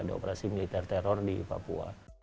ada operasi militer teror di papua